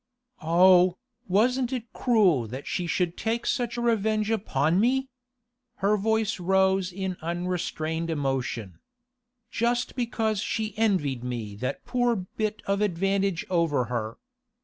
'Oh, wasn't it cruel that she should take such revenge upon me!' Her voice rose in unrestrained emotion. 'Just because she envied me that poor bit of advantage over her!